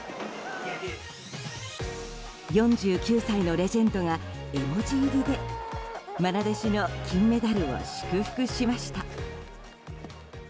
４９歳のレジェンドが絵文字入りで愛弟子の金メダルを祝福しました。